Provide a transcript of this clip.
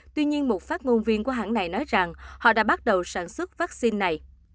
tuy nhiên một phát ngôn viên của hãng này nói rằng họ đã bắt đầu sản xuất vaccine này